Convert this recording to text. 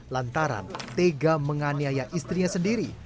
lantaran tega menganiaya istrinya sendiri